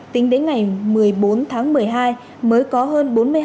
tính đến ngày một mươi bốn tháng một mươi hai mới có hơn bốn